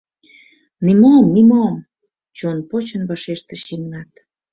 — Нимом-нимом! — чон почын вашештыш Йыгнат.